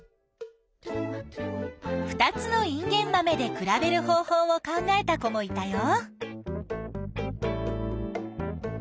２つのインゲンマメで比べる方法を考えた子もいたよ。